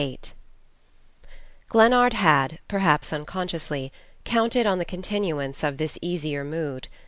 VIII Glennard had, perhaps unconsciously, counted on the continuance of this easier mood.